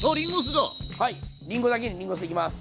はいりんごだけにりんご酢いきます。